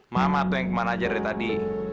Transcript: mama tuh yang kemana aja dari tadi